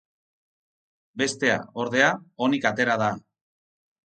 Bestea, ordea, onik atera da.